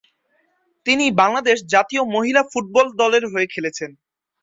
তিনি বাংলাদেশ জাতীয় মহিলা ফুটবল দলের হয়ে খেলেছেন।